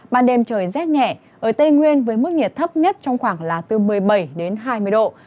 ban đêm trời rét nhẹ ở tây nguyên với mức nhiệt thấp nhất trong khoảng là từ một mươi bảy đến hai mươi độ